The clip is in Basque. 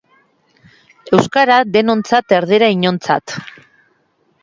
Euskara denontzat erdera inontzat